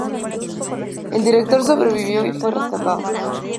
El director sobrevivió y fue rescatado.